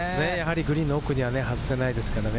グリーンの奥には外せないですからね。